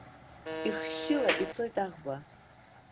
Ихышьшьыла ицоит аӷба.